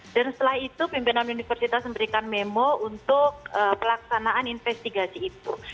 setelah itu pimpinan universitas memberikan memo untuk pelaksanaan investigasi itu